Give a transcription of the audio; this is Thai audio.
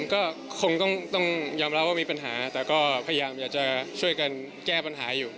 ก็คงต้องยอมรับว่ามีปัญหาแต่ก็พยายามอยากจะช่วยกันแก้ปัญหาอยู่